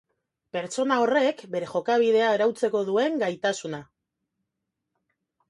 Pertsona horrek bere jokabidea arautzeko duen gaitasuna